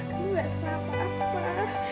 kamu gak apa apa